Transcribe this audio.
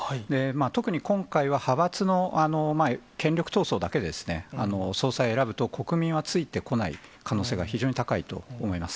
特に今回は、派閥の権力闘争だけで総裁を選ぶと、国民はついてこない可能性が非常に高いと思います。